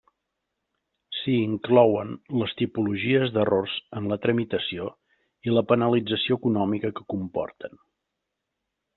S'hi inclouen les tipologies d'errors en la tramitació i la penalització econòmica que comporten.